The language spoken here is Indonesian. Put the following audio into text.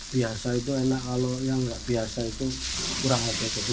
biasa itu enak kalau yang enggak biasa itu kurang